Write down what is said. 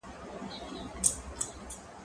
زه به اوږده موده موسيقي اورېدلې وم!؟